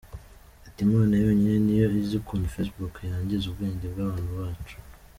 Ati “Imana yonyine ni yo izi ukuntu Facebook yangiza ubwenge bw’abana bacu.